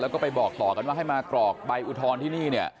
แล้วก็ไปบอกต่อกันว่าให้มากรอกใบอุทธรณ์ที่นี่เนี่ย